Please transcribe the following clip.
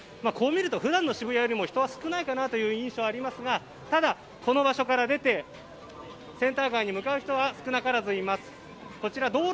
こう見ると、普段の渋谷よりも人が少ないかなという印象はありますがただ、この場所から出てセンター街に向かう方は少なからずいます。